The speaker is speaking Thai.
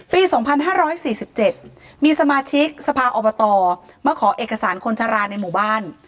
ปี๒๕๔๗มีสมาชิกสภาอบตมาขอเอกสารคนชะลาในหมู่บ้าน